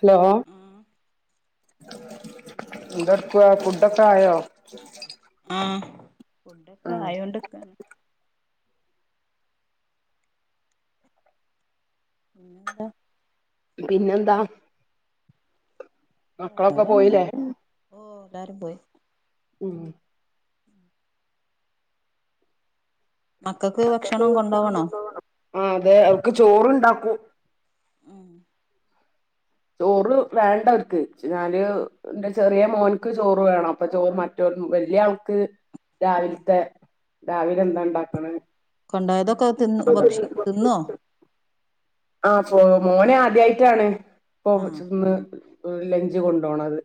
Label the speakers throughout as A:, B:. A: Hello
B: ആഹ് ഉണ്ടായിന്ന്
A: എന്ത്ട്ക്കാ ഫുഡൊക്കെ ആയോ [inaudible]
B: ആഹ്
A: ആ
B: ഫുഡൊക്കെ ആയോണ്ട്ക്ക്ണ് പിന്നന്താ
A: പിന്നെന്താ മക്കളൊക്കെ പോയിലേ
B: ഓഹ് എല്ലാരും പോയി
A: ഉം
B: മക്കൾക്ക്
A: മക്കക്ക് ഭക്ഷണം
B: കൊണ്ടോവണോ
A: കൊണ്ടോവ്ന്നൊ ഉം അതെ അവർക്ക് ചോറ്ണ്ടാക്കും
B: ഉം
A: ചോറ് വേണ്ടവര്ക്ക് ഇച്ച്ഞാല് ഇന്റെ ചെറിയ മോൻക്ക് ചോറ് വേണം അപ്പൊ ചോറ് മറ്റോല് വല്ല്യ ആൾക്ക്
B: ഉം
A: രാവിൽത്തെ രാവിലെ എന്താ ഇണ്ടാക്ക്ണ്
B: കൊണ്ടോയതൊക്കെ തിന്ന് ഭക്ഷി തിന്നോ
A: ആഹ് മോന് ആദ്യായിട്ടാണ് ഇപ്പൊ
B: ആഹ്
A: ചന്ന് ലഞ്ച് കൊണ്ടോണത്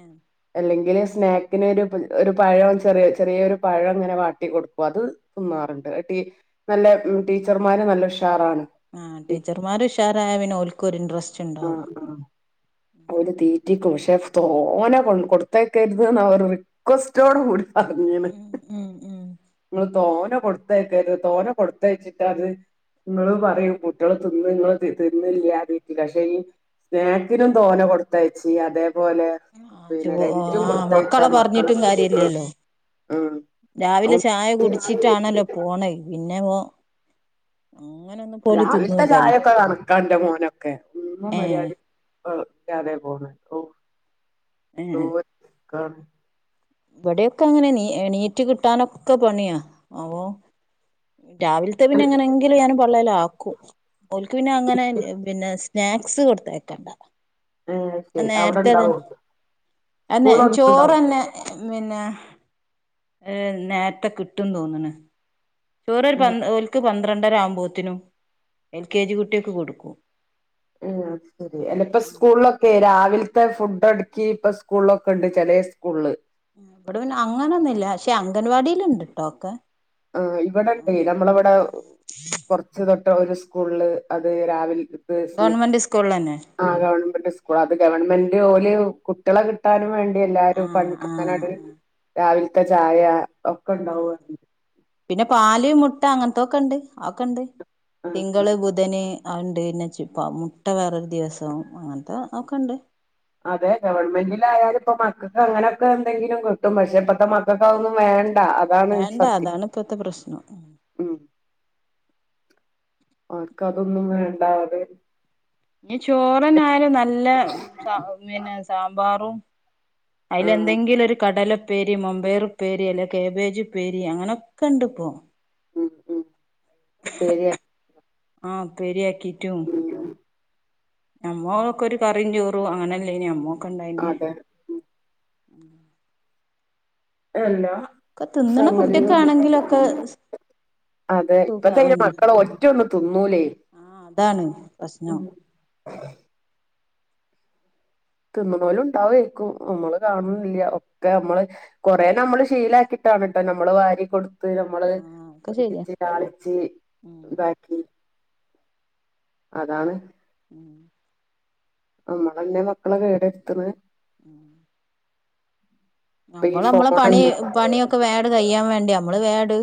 B: ഏഹ്
A: അല്ലെങ്കില് സ്നാക്ക്നൊരു ഒരു പഴം ചെറിയ ചെറിയൊരു പഴം ഇങ്ങനെ വാട്ടി കൊടുക്കും അത് തിന്നാർണ്ട് അഹ് നല്ല ടീച്ചർമാര് നല്ല ഉഷാറാണ്
B: ആഹ് ടീച്ചർമാര് ഉഷാരായ പിന്നെ ഓൽക്കൊരു ഇൻടറസ്റ്റ്
A: ആഹ് ആഹ് ഓല് തീറ്റിക്കും പക്ഷെ തോനെ കൊ കൊടുത്തയക്കര്ത്ന്നാ ഓരെ റി റികൊസ്റ്റോട് കൂടി പറഞ്ഞീണ്
B: ഉം ഉം ഉം
A: ഇങ്ങള് തോനെ കൊടുത്തയക്കരുത് തോന കൊടുത്തയച്ചിട്ടാത് ഇങ്ങള് പറയൂം കുട്ടിയള് തിന്ന് തിന്ന്ല്ല്യാ തീറ്റിക്കാ പക്ഷേ ഇ സ്നേക്ക്സിനും തോനെ കൊടുത്തയച്ചി അതേപോലെ
B: ആഹ് ചോ
A: പിന്നെ ലഞ്ചും
B: ആഹ്
A: കൊടുത്തഴച്ചാ
B: മക്കളെ
A: മക്കള്
B: പറഞ്ഞിട്ടും
A: ഉം
B: കാര്യല്ലല്ലോ
A: ഉം
B: രാവിലെ ചായ കുടിച്ചിട്ടാണല്ലോ പോണഹ് പിന്നെ പോ അങ്ങനെ ഒന്നും
A: രാവിൽത്തെ ചായ ഒക്കെ കണക്കാ ഇന്റെ മോനൊക്കെ ഒന്നും
B: ഏഹ്
A: മര്യാദി കുടിക്കാതെ പോണേ ഓഹ്
B: ഏഹ്
A: [unintelligible]
B: ഇവിടെയൊക്കെ അങ്ങനെ എണീറ്റ് കിട്ടാനൊക്കെ പണിയാ അപ്പോ രാവിൽത്തെ പിന്നെ എങ്ങനെങ്കിലും ഞാന് പള്ളേലാക്കും ഓൽക്ക് പിന്നെ അങ്ങനെ പിന്നെ സ്നാക്സ് കൊടുത്തയക്കണ്ട
A: ഏഹ് ശരി അവിടെ
B: നേരത്തെ
A: ഉണ്ടാവും
B: തന്നെ അതന്നേ
A: സ്കൂളൊന്നും ഉണ്ടാവും
B: ചോറ്ന്നെ പിന്നെ ഏഹ് നേരത്തെ കിട്ടുംന്ന് തോന്ന്ണ് ചോറൊരു പ
A: ഉം
B: ഓൽക്ക് പന്ത്രണ്ടര ആവുമ്പോത്തിനും എൽ കെ ജി കുട്ടിയൾക്ക് കൊടുക്കും
A: ഏഹ് അത് ശരി അല്ല ഇപ്പൊ സ്കൂളൊക്കെ രാവിലത്തെ ഫുഡട്ക്കി ഇപ്പ സ്കൂളൊക്കെ ഇണ്ട് ചെലേ സ്കൂൾല്
B: ഇവിടെ പിന്നെ അങ്ങനൊന്നുല്ല പക്ഷേ അംഗൻവാടില്ണ്ട്ട്ടോ ഒക്കെ
A: ആഹ് ഇവടെണ്ട് നമ്മളവടെ കൊറച്ച് തൊട്ട ഒരു സ്കൂൾല് അത് രാവിൽ പേഴ്സ്ന്
B: ഗവൺമെന്റ് സ്കൂളിലന്നെ
A: ആ ഗവൺമെന്റ് സ്കൂൾ അത് ഗവൺമെന്റ് ഓല് കു കുട്ടിയളെ കിട്ടാനും വേണ്ടി എല്ലാരും
B: ആഹ്
A: പണിട്ക്കാനാണ്ട്
B: ആഹ്
A: രാവിൽത്തെ ചായ ഒക്കെ ഉണ്ടാവും പറഞ്ഞ്
B: പിന്നെ പാല് മുട്ട അങ്ങൻത്തൊക്കെ ഇണ്ട് അതൊക്കെണ്ട്
A: ആഹ്
B: തിങ്കള്
A: ആഹ്
B: ബുധന് ആഹ് ഇണ്ട് പിന്നെ മുട്ട വേറൊരു ദിവസം അങ്ങനത്തെ ഒക്കെ ഇണ്ട്
A: അതെ ഗവൺമെന്റിലായാലും ഇപ്പ മക്കക്കങ്ങനെയൊക്കെ എന്തെങ്കിലും കിട്ടും പക്ഷേ ഇപ്പത്തെ മക്കക്ക് അത് ഒന്നും വേണ്ട. അതാണ്
B: വേണ്ട
A: സത്യം
B: അതാണ് ഇപ്പത്തെ പ്രശ്നം.
A: ഉം. അവർക്കതൊന്നും വേണ്ടാതെ
B: ഇഞ്ഞ് ചോറ്ന്നേ ആയാലും നല്ല പിന്നെ സാമ്പാറും
A: ആഹ്
B: അയിലെന്തെങ്കിലൊരു കടല ഉപ്പേരി, മമ്പേയറുപ്പേരി, അല്ലെങ്കി കേബേജുപ്പേരി അങ്ങനെക്കെണ്ട് ഇപ്പോ.
A: ഉം ഉം ഉപ്പേരിയാ
B: ആഹ് ഉപ്പേരിയാക്കീറ്റും
A: ഉം
B: നമ്മോക്കെ ഒരു കറിയും ചോറും അങ്ങനെല്ലേനി നമ്മൊക്ക്ണ്ടായിന്.
A: അതെ എല്ലാ
B: ഒക്ക തിന്നണ
A: സംഗതികളും
B: കുട്ടിയൊക്കാണെങ്കിലൊക്കെ
A: അതെ ഇപ്പത്തെയ്ന് മക്കൾ ഒറ്റഒന്നും തിന്നൂലേ.
B: ആ അതാണ് പ്രശ്നം
A: [unintelligible] തിന്ന്ണോലുണ്ടാവേയ്ക്കും നമ്മള്
B: ഉം
A: കാണുല്യ. ഒക്കെ നമ്മള് കൊറേ നമ്മള് ശീലക്കിയിട്ടാണ് ട്ടോ നമ്മള് വാരി കൊടു കൊടുത്ത് നമ്മള്
B: ആഹ് ഒക്കെ ശരിയാ
A: കൊഞ്ചിച്ച് ലാളിച്ച്
B: ഉം
A: ഇതാക്കി അതാണ്.
B: ഉം
A: നമ്മളന്നെ മക്കളക്കെ എവ്ടെ നിക്ക്ന്നെ
B: ഉം
A: ഈ
B: നമ്മള് നമ്മള പണി
A: ഫോണന്നെ
B: പണിയൊക്ക വേങ്ങട് കയ്യാൻ വേണ്ടി നമ്മള് വേയട്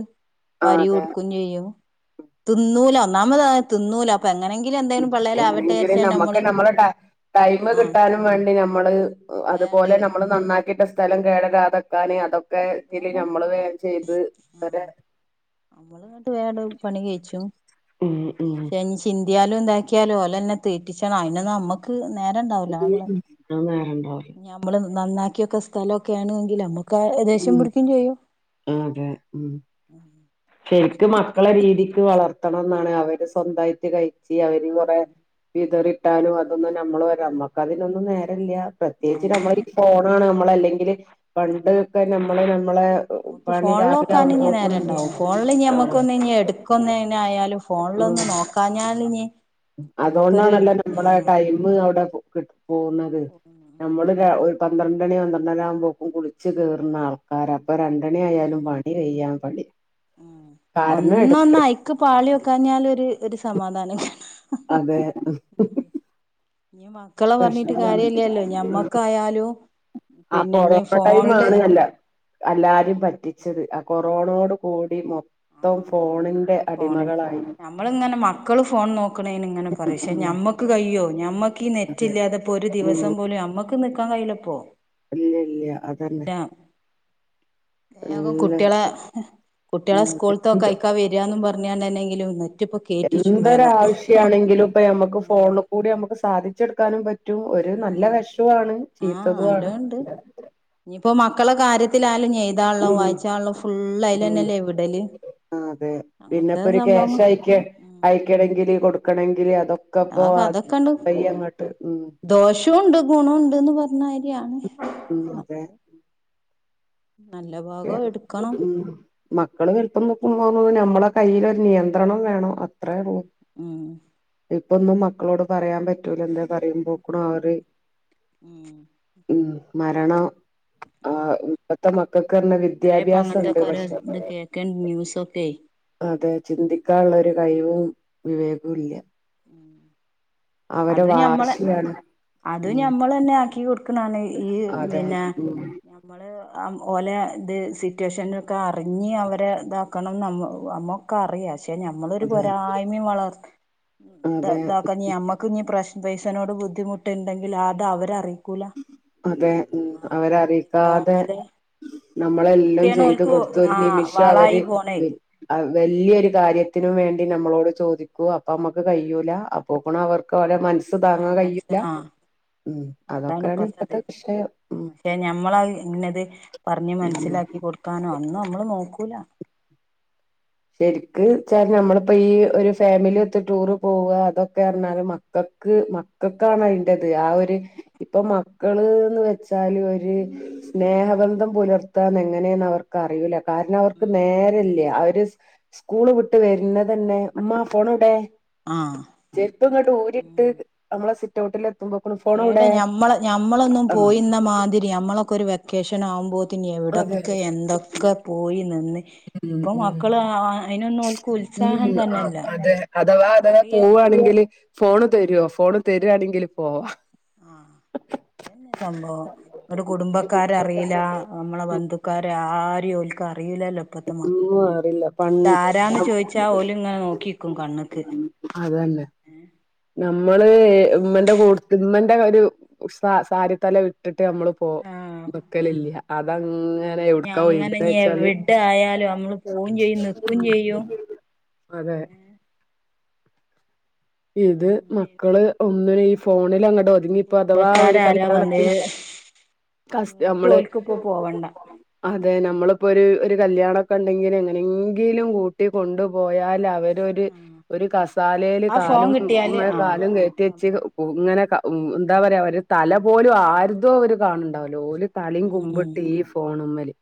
A: ആ
B: വരി
A: അതെ
B: കൊടുക്കും ക്കും ചെയ്യും. തിന്നൂല ഒന്നാമതാ
A: എങ്ങനെങ്കിലും
B: വിചാരിച്ചാണ്ട്
A: നമ്മക്ക്
B: നമ്മള്
A: നമ്മള ടൈം
B: ആഹ്
A: കിട്ടാനും വേണ്ടി നമ്മള്
B: വേണ്ട്
A: അതുപോലെ നമ്മള് നന്നാക്കിട്ട സ്ഥലം കേടരാത്ക്കാന് അതൊ ഒക്കെ ഇതില്
B: ഒക്കെയാണ്
A: നമ്മള് വേഗം ചെയ്ത് അവര
B: നമ്മളങ്ങട്ട് വേഗടും പണി കഴിച്ചും
A: ഉം ഉം
B: ഫെനിഷ് ചിന്തിയാലും ഇതാക്കിയാലും ഓലെന്നെ തീറ്റിച്ചണം. അയ്നൊന്ന് നമ്മക്ക് നേരൊണ്ടാവില്ല ല്ലേ?
A: ആന്നെ രണ്ടാറ്
B: ഞമ്മള് നന്നാക്കിയൊക്കെ സ്ഥലോക്കാണേങ്കി നമുക്ക് ദേഷ്യം പിടിക്കേം ചെയ്യും.
A: ആതെ ഉം
B: ഉം
A: ശരിക്കും മക്കള രീതിക്ക് വളർത്തണംന്നാണ്. അവര് സ്വന്തായിട്ട് കഴി ച്ച് അവര്
B: ഉം
A: കൊറേ വിതറിട്ടാലും അതൊന്നു നമ്മള് വെരോ
B: ഉം
A: നമ്മക്കതിനൊന്നും നേരല്ല. പ്രത്യേകിച്ച്
B: നേരം
A: നമ്മളേൽ ഫോണാണ് നമ്മളല്ലെങ്കില് പണ്ടൊക്കെ നമ്മള് നമ്മളെ
B: നമുക്ക്
A: പണി രാവിലെ
B: ഫോണിലോക്കാനിനി
A: ആവുമ്പോക്ക്‌നും
B: നേരംണ്ടാവും. ഫോണില്നി
A: ആഹ്
B: നമുക്കൊന്നിനി എടുക്കുന്നേനിയായാലും ഫോണിലൊന്ന് നോക്കാഞ്ഞാലിനി
A: അതോണ്ടാണല്ലോ നമ്മളെ ടൈം അവിടെ കി പോന്നത്
B: ഉം
A: നമ്മള് ക ഒ പന്ത്രണ്ടണി പന്ത്രണ്ടര ആവുംമ്പോക്കും കുളിച്ച് കേറ്നാൾ ക്കാര അപ്പൊരണ്ടെണി ആയാലും പണി കൈയ്യാൻ കളി.
B: ഒന്നൊന്നയ്ക്ക് പാളി നോക്കാഞ്ഞാലൊരു ഒരു സമാധാന
A: അതെ.
B: ഇ മാ മക്കളെ പറഞ്ഞിട്ട്
A: പ്രശ്നം ഇതാണ്
B: കാര്യില്ലാല്ലോ.
A: ആ
B: ഞമ്മക്കായാലും പിന്നെ ഇനി ഫോൺല്
A: അല്ലാരേം പറ്റിച്ചത്. ആ കൊറോണോട് കൂടി മൊ
B: ആ മൊത്തം ഫോണന്നെ. നമ്മളിങ്ങനെ മക്കള് ഫോൺ നോക്കണേനിങ്ങനെ
A: ഉം
B: പറയും പക്ഷേ
A: ഉം
B: നമ്മക്ക് ക്ക് കഴിയ്യോ? ഞമ്മക്കീ
A: അതെ
B: നെറ്റില്ലാതപ്പോ ഒരു
A: ഉം
B: ദിവസം പോലും ഞമ്മക്ക് നിക്കാൻ കയ്യിലിപ്പോ.
A: ഇല്ലില്ല അതന്ന
B: വേഗം കുട്ട്യേളെ കുട്ട്യേളെ
A: ഉം
B: സ്കൂൾതൊക്കെ
A: എന്ത്
B: അയിക്കാ വേരാന്ന് പർഞാണ്ടെന്നെങ്കിലും ട്ടിപ്പോ കേറ്റിച്ചും വേഗോം
A: ആണെങ്കിലും ഇപ്പ ഞമ്മക്ക് ഫോണീ കൂടി ഞമ്മക്ക് സാധിച്ചെടുക്കാനും പറ്റ് ഒരു
B: ആഹ്
A: നല്ല വശാണ് ചീത്തതു ആണ്.
B: ഇനീപ്പോ മക്കള കാര്യത്തിലാലും എയ്താള്ളോം
A: ഉം
B: വായിച്ചാള്ളോ ഫുള്ള്
A: ഉം
B: ഐലന്നല്ലേ വിടല്?
A: ആ അതെ പിന്നെ
B: അങ്ങനത്തെ
A: ഇപ്പോ ഒരു
B: സംഭവം
A: കാശ് അയ്ക്ക
B: ഉം
A: അയ്ക്കണെങ്കില് കൊടുക്കണെങ്കില് അതൊ ക്കപ്പോ കയ്യങ്ങട്ട്?
B: ദോഷൊണ്ട് ഗുണണ്ട്ന്ന് പർഞ്ഞാരിയാണ്.
A: ഉം അതെ
B: നല്ലവ
A: ക്കെ ഉം മക്കള് വൽപ്പം വെക്കുമ്പോ പിന്നെ നമ്മളെ കയ്യിലോര് നിയന്ത്രണം വേണം അ ത്രേള്ളു
B: ഉം
A: ഇപ്പൊന്നു മക്കളോട് പറയാൻ പറ്റൂലല്ലോ പറയുമ്പോക്ക്ണ്
B: ഉം
A: അവര്
B: ഉം
A: ഉം മരണം ആ ഇപ്പത്തെ മ ഇന്ന് വിദ്യാഭ്യാസൊണ്ട് പക്ഷേ
B: കേക്കൻ ന്യൂസൊക്കെ
A: അതെ ചിന്തിക്കാനോള്ളോര് കയിവും വിവേകു ല്ല്യ. അവടെ
B: അതും
A: വാർശികാണ് ഉം
B: ന്നെ ആക്കി കൊടുക്കണാണ് ഈ
A: അതെ
B: പിന്നെ
A: ഉം
B: നമ്മള് ആം ഓലെ ഇത് സിറ്റുവേഷനൊക്കെ അറിഞ് അവരെ ഇതാക്കണം നമ് നമ്മോ ക്കറിയ ഷെ ഞമ്മളൊരു
A: അതെ
B: പൊരായ്മേം വളർ ത
A: അതെ
B: താക്ക നീ ഞമ്മക്ക് ഞ്ഞി പ്രശ് പൈസനോട് ബുദ്ധിമുട്ട്ണ്ടെങ്കിൽ അത് അവരറി
A: അതെ ഉം അവര അറീക്കാതെ
B: അതെ
A: നമ്മളെല്ലും
B: ഒക്കെയാണ്
A: ചെയ്ത്
B: ഓൽക്ക്
A: കൊടുത്തൊരു
B: ആ
A: നിമിഷം അവര്
B: വാളായി പോണേ
A: അഹ് വെല്ല്യൊര് കാര്യത്തിനും വേണ്ടി നമ്മളോട് ചോദി ക്കു അപ്പൊ അമ്മക്ക് കയ്യുല അപ്പൊക്ക്ണ് അവർക്ക് അവലെ മനസ്
B: ആ
A: താങ്ങാ
B: മനസ്സില
A: കയ്യുല
B: ആ
A: ഉം
B: അതാണ്
A: അതൊക്കെയാണ്
B: ഇപ്പത്തത്
A: ഇപ്പത്തെ വിഷയം ഉം
B: ഷെ ഞമ്മളഹ് ഇന്നത് പർഞ്
A: ഉം
B: മൻസ്സിലാക്കി കൊ കൊടുക്കാനോ ഒന്നു അമ്മള് നോക്കൂല.
A: ശെരിക്ക് ച്ചാ നമ്മളിപ്പോ ഈ ഒരു ഫാമിലി ഒത്ത് ടൂറ് പോവ അതൊക്കെ അർണാല് മ ക്കക്ക് മക്കക്കാണ് അയ്ന്റെത് ആ ഒര് ഇപ്പൊ മക്കള്ന്ന് വെച്ചാല് ഒര് സ്നേഹബന്ധം പുലർത്താന്ന് എങ്ങനെന്ന് അവർക്ക് അറിയൂല കാര്ണം അവർക്ക്
B: ഉം
A: നേരല്ല്യ അവര് സ്കൂള് വിട്ട് വെര്ന്നെതെന്നെ മ്മാ ഫോണ് എവ്ടെ?
B: ആഹ്.
A: ചെര്പ്പ് ങ്ങട്ട് ഊരിട്ട്
B: ഉം
A: അമ്മളെ സിറ്റ് ഔട്ടിൽ എത്തുമ്പോക്കണു ഫോണ്
B: ഏടെ
A: എവ്ടെ?
B: രി യമ്മളൊക്കെ ഒരു വെക്കേഷൻ ആകുമ്പോത്തിനി
A: അതെ
B: എവിടെക്കെ എന്തൊക്കെ പോയി നിന്ന്
A: ഉം
B: ഇപ്പൊ
A: ഉം
B: മക്കള് അയിനൊന്നും ഓൽക്ക്
A: ഉം
B: ഉത്സാഹം
A: ആഹ്
B: തന്നെല്ല
A: അതെ അതവാ അതവാ
B: അറിയ
A: പോവാണെങ്കില് ഫോണ് തെരോ ഫോണ് തെരാണെങ്കില് പോവാ.
B: ആഹ് അഹ് ന്നെ സംഭവം. ന്ന്ട്ട് കുടുംബക്കാര അറിയില അമ്മളെ ബന്ധുക്കാരെ ആരെ ഓൽക്ക് അറിയൂലല്ലോ പ്പത്തെ മക്കളെ
A: ഒന്നും അറിയില്ല പൺ
B: ഇത് ആരാന്ന് ചോയ്ച്ചാ ഓല് ഇങ്ങനെ നോക്കിക്കും കണ്ണ്ക്ക്.
A: അതെന്നെ. നമ്മള് മ്മന്റെ കൂട്ത് മ്മന്റെ ഒരു സ സാരി തല വിട്ടിട്ട് ഞമ്മള് പ്പോ
B: ആഹ് ആഹ്
A: നിക്കലില്ല്യ അതങ്ങനെ
B: ഇഞ്ഞ്
A: എവ്ട്ക്കാ ഒഴ്ക്ണെച്ചാല്
B: പോഉം ചെയ്യും നിക്കും ചെയ്യും.
A: അതെ. ഇത്
B: അങ്ങനേണ്
A: മക്കള് ഒന്നിനു ഈ ഫോണില് അങ്ങട്ട് ഒ ഇനിപ്പോ അഥവാ ഒരു
B: കുടുംബക്കാരാരാ വന്നേ
A: കല്യാണത്തിന് കസ്
B: എങ്ങട്ടും
A: ഞമ്മള്
B: ഓൽക്ക് ഇപ്പോ പോവണ്ട
A: അതെ ഞമ്മള്പ്പോര് ഒരു കല്യാണൊക്കെ ണ്ടെങ്കില് എങ്ങനെങ്കിലും കൂട്ടി കൊണ്ടു പോയാല് അവ ടോര്
B: ആഹ്
A: ഒര് കസാലേല്
B: ആ ഫോൺ
A: കാലും
B: കിട്ടിയാല്
A: മേൽ
B: ആഹ്
A: കാലും കേറ്റ്യച്ച്
B: സംഭവം
A: ങ്ങനെ ക എന്താ പറയാ ഒരു തല പോലും ആരുതും അവര് കാണ് ണ്ടാവ് ല്ല ഓല് തലയും കുമ്പിട്ട് ഈ ഫോണ് മല്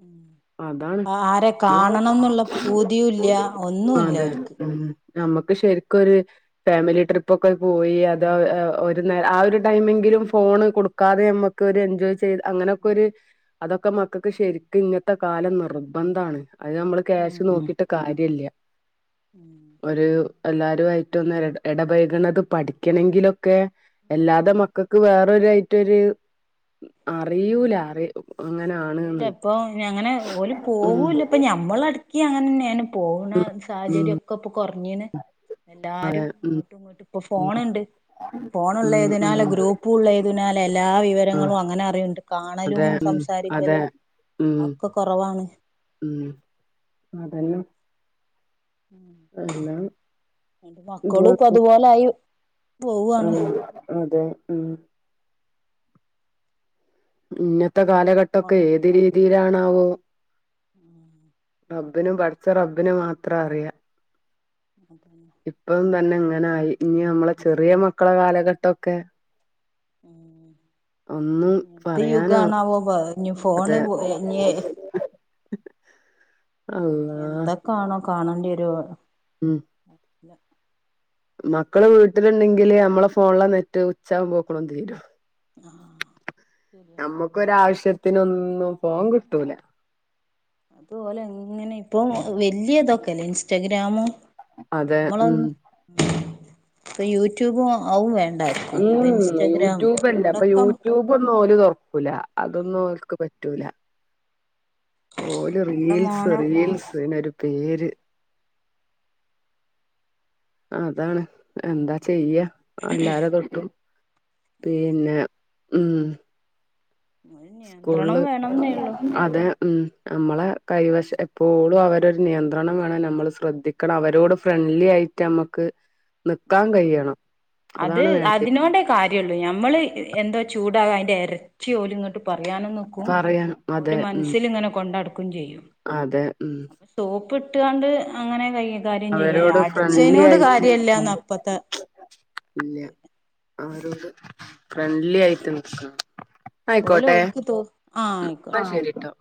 B: അഹ് ആരെ
A: നമ്മള്.
B: കാണണം ന്നുള്ള പൂതിയും ഇല്ല ഒന്നും ഇല്ല
A: അതെ
B: ഓലിക്ക്‌
A: ഉം നമ്മക്ക് ശരിക്ക്‌ ഒരു ഫാമിലി ട്രിപ്പ് ഒക്കെ പോയി അതാ ഏ ഒരു നേരം ആ ഒരു ടൈമെങ്കിലും ഫോണ് കൊടുക്കാതെ അമ്മ ക്കൊരു എൻജോയ് ചെയ്ത അങ്ങനൊക്കെ ഒരു അതൊക്കെ മക്കക്ക്‌ ശരിക്കും ഇന്നത്തെ കാലം നിർബന്ധ ആണ് അയ് നമ്മള് ക്യാഷ്
B: ഉം
A: നോക്കിട്ട് കാര്യ ഇല്ല ഒരു എല്ലാരും ആയിട്ട് ഒന്ന് ഇട ഇടപഴകണത് പഠിക്കണെങ്കിലൊക്കെ അല്ലാതെ മ ക്കക്ക്‌ വേറൊരു ആയിട്ട് ഒരു ഉം അറിയൂല അറി
B: അറിയില്ല
A: അങ്ങനാണ്ന്ന്
B: ഇപ്പൊ
A: ഉം
B: നമ്മള്ടിക്ക്യങ്ങനന്നെ എന്ന് പോണ
A: ഉം ഉം
B: സാഹചര്യക്കെ ഇപ്പൊ കൊറഞ്ഞീണ് എല്ലാരും
A: ഉം
B: അങ്ങോട്ടും ഇങ്ങോട്ടും ഇപ്പൊ ഫോണുണ്ട്
A: ഉം ഉം
B: ഫോണുള്ളേതിനാല്
A: ഉം
B: ഗ്രൂപ്പുള്ളേതിനാല് എല്ലാ
A: ആ
B: വിവരങ്ങളും അങ്ങനെ ണ്ട് കാണലും
A: അതെ ഉം അതെ
B: സംസാരിക്കലും
A: ഉം
B: ഒക്കെ കൊറവാണ്
A: ഉം അതെല്ലം
B: ഉം എന്റെ മക്കളുംപ്പൊ അതുപോലായി പോവാണ്
A: ആഹ് അതെ ഉം ഇന്നത്തെ കാലഘട്ടൊക്കെ
B: ഫോണിന്
A: ഏത് രീതിയിലാണാവോ
B: ഉം
A: റബ്ബിനും പഠച്ച റബ്ബിനും മാത്രം അറിയാം
B: അതന്നെ
A: ഇപ്പം തന്നെ ഇങ്ങനായി ഇനി ഞമ്മളെ ചെറിയ മക്കളെ കാലഘട്ടൊക്കെ
B: എന്ത്
A: ഒന്നും പറയാനാ
B: ഓബാ ഇനി ഫു
A: അതെ
B: എന്താ കാണ്വാ കാണേണ്ടിവര്വോ
A: ഉം മക്കള് വീട്ടില്ണ്ടെങ്കില് ഞമ്മളെ ഫോണിലെ നെറ്റ് ഉച്ചയാമ്പോക്കണും തീരും
B: ആഹ് ശെരിയാ
A: ഒരാവശ്യത്തിനൊന്നും ഫോൺ കിട്ടൂല
B: ഇതോലങ്ങനെ ഇപ്പം വെല്യ ഇതൊക്കെല്ലേ ഇൻസ്റ്റഗ്രാമും
A: അതെ ഉം
B: ഞമ്മളൊന്നും ഇപ്പ യൂട്യൂബും അവ്വും വേ
A: ഉം യൂട്യൂബല്ല ഇപ്പൊ
B: ഇവിടൊക്കെ
A: യൂട്യൂബ് ഇതൊന്നും ഓല് തൊറക്കൂല അതൊന്നും ഓൽക്ക്‌ പറ്റൂല ഓല്
B: ഇവിടെ
A: റീൽസ്
B: മോനെ
A: റീൽസ് പിന്നയ്നൊരു പേര് ആഹ് അതാണ് എന്താ ചെയ്യാ അല്ലാരെ തൊട്ടും പിന്നെ ഉം
B: ഒരു നിയന്ത്രണം
A: സ്കൂൾല്
B: വേണംന്നേ ഉള്ളൂ
A: അതെ ഉം ഞമ്മളെ കൈവശം എപ്പോളും അവരെ ഒരു നിയന്ത്രണം വേണം ഞമ്മള് ശ്രദ്ധി ക്കണം അവരോട് ഫ്രണ്ട്ലി ആയിട്ട് ഞമ്മക്ക്
B: ഉം ഉം അത്
A: അതാണ് വേണ്ടി
B: അതിനോണ്ടെ കാര്യ ര്യള്ളു ഞമ്മള് എന്തോ ചൂടാകാ അയിന്റെരട്ടി ഓലിങ്ങട്ട് പറയാനും നിക്കും
A: പറയാൻ
B: ഓല്
A: അതെ ഉം
B: മനസ്സില്ങ്ങനെ കൊണ്ട് നടക്കും ചെയ്യും
A: അതെ ഉം
B: സോപ്പ്ട്ട്കാണ്ട് അങ്ങനെ കയ്യണ്
A: അവരോട് ഫ്രണ്ട്ലി ആയിട്ട് ഉം
B: അപ്പത്തെ
A: ഇല്ല്യ
B: ഇത്
A: അവരോട് ഫ്രണ്ട്ലി ആയിട്ട് നിക്കണം
B: ഓല്
A: ആയിക്കോട്ടെ
B: ഓൽക്ക് തോ ആ
A: ഉം
B: ആയിക്കോട്ടെ
A: ആഹ് ശെരീട്ടോ